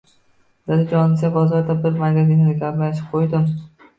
Dadajonisi, bozorda bir magazinni gaplashib qoʻydim